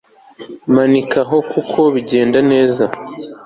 Manika aho kuko bigenda neza